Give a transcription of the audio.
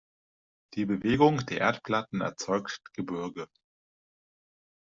Die Bewegung der Erdplatten erzeugt Gebirge.